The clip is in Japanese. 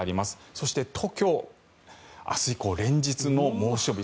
そして、東京明日以降、連日の猛暑日。